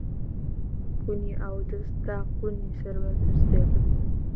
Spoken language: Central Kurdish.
کونی ئاودەست تا قوونی سەرباز بستێکە